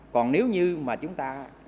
còn nếu như mà chúng ta